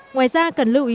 ngoài ra cần lưu ý